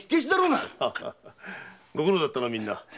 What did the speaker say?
ご苦労だったなみんな。